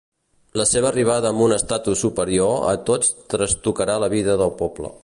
La seva arribada amb un estatus superior a tots trastocarà la vida del poble.